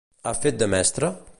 Ha fet de mestra?